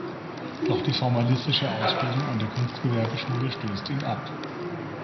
Doch die formalistische Ausbildung an der Kunstgewerbeschule stößt ihn ab.